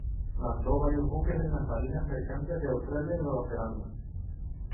Mandó varios buques en las marinas mercantes de Australia y Nueva Zelanda.